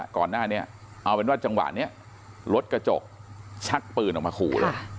ก่อนหน้านี้เอาเป็นว่าจังหวะนี้รถกระจกชักปืนออกมาขู่เลย